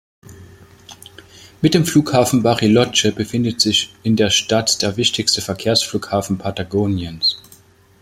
Mit dem Flughafen Bariloche befindet sich in der Stadt der wichtigste Verkehrsflughafen Patagoniens.